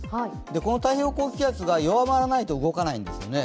この太平洋高気圧が弱まらないと動かないんですね。